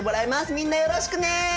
みんなよろしくね！